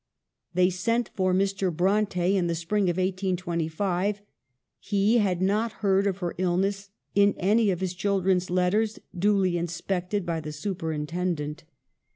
They sent for Mr. Bronte in the spring of 1825. He had not heard of her illness in any of his children's letters, duly inspected by the superintendent.